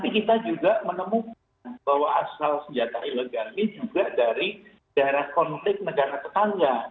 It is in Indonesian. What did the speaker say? kita juga menemukan bahwa asal senjata ilegal ini juga dari daerah konflik negara tetangga